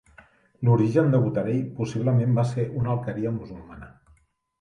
L'origen de Botarell possiblement va ser una alqueria musulmana.